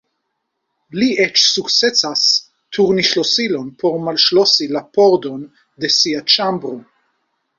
Li eĉ sukcesas turni ŝlosilon por malŝlosi la pordon de sia ĉambro.